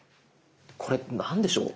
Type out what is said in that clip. これ何でしょう？